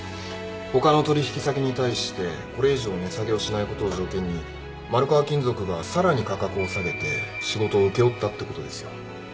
他の取引先に対してこれ以上値下げをしないことを条件に丸川金属がさらに価格を下げて仕事を請け負ったってことですよ。